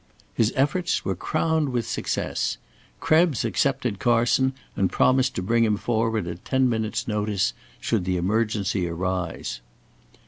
His efforts were crowned with success. Krebs accepted Carson and promised to bring him forward at ten minutes' notice, should the emergency arise.